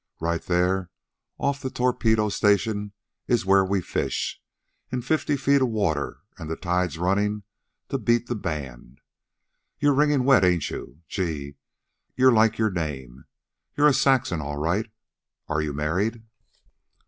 Right there off the Torpedo Station is where we fish, in fifty feet of water an' the tide runnin' to beat the band. You're wringing wet, ain't you? Gee! You're like your name. You're a Saxon, all right. Are you married?"